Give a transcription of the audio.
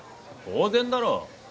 当然だろ！